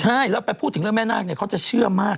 ใช่แล้วไปพูดถึงเรื่องแม่นาคเนี่ยเขาจะเชื่อมาก